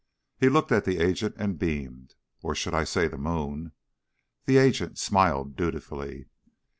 He looked at the agent and beamed. "Or should I say the moon?" The agent smiled dutifully.